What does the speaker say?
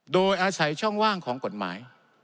โดยอาศัยช่องว่างของกฎหมาย